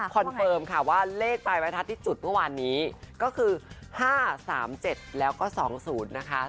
คอนเฟิร์มค่ะว่าเลขประทัดที่จุดเมื่อวานนี้ก็คือห้าสามเจ็ดแล้วก็สองศูนย์นะคะ